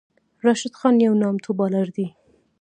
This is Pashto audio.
راشد خان یو نامتو بالر دئ.